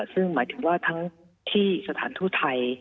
ซึ่งหมายถึงว่าทั้งที่สถานทูตไทย